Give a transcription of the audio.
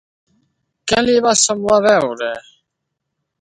Què li va semblar veure?